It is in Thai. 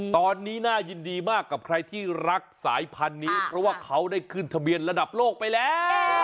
ตอนนี้น่ายินดีมากกับใครที่รักสายพันธุ์นี้เพราะว่าเขาได้ขึ้นทะเบียนระดับโลกไปแล้ว